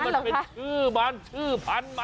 มันเป็นชื่อมันชื่อพันธุ์มัน